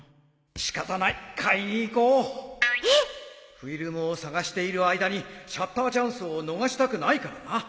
フィルムを探している間にシャッターチャンスを逃したくないからな